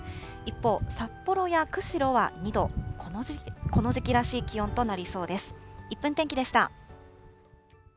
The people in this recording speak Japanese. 一方、札幌や釧路は２度、この時期らしい気温となりそうです。